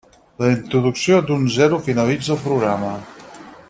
La introducció d'un zero finalitza el programa.